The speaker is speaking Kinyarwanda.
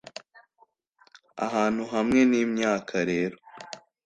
Ahantu hamwe nimyaka rero